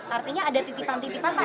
artinya ada titipan titipan pak